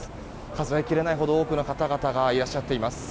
数えきれないほど多くの方々がいらっしゃっています。